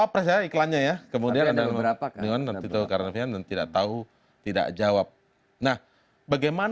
pertanyaan mana tadi